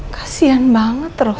kasian banget rosa